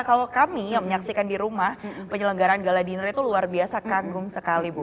kalau kami yang menyaksikan di rumah penyelenggaran gala dinner itu luar biasa kagum sekali bu